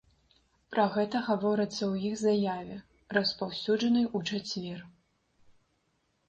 Пра гэта гаворыцца ў іх заяве, распаўсюджанай у чацвер.